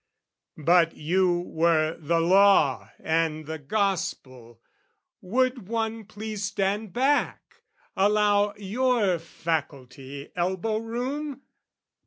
But you were the law and the gospel, would one please Stand back, allow your faculty elbow room?